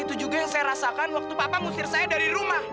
itu juga yang saya rasakan waktu papa menyeru saya keluar dari dunia akting